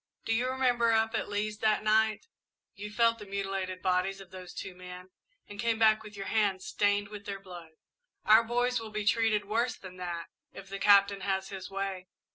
Do you remember, up at Lee's that night, you felt the mutilated bodies of those two men, and came back, with your hands stained with their blood? Our boys will be treated worse than that, if the Captain has his way."